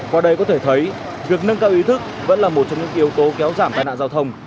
qua đây có thể thấy việc nâng cao ý thức vẫn là một trong những yếu tố kéo giảm tai nạn giao thông